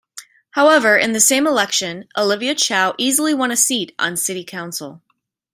However, in the same election Olivia Chow easily won a seat on city council.